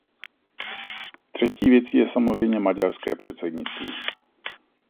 Třetí věcí je samozřejmě maďarské předsednictví.